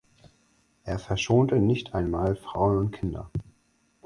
Er verschonte nicht einmal Frauen und Kinder.